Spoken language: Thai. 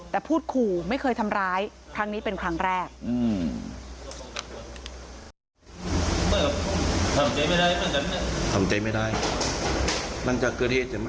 แต่พูดขู่ไม่เคยทำร้ายครั้งนี้เป็นครั้งแรก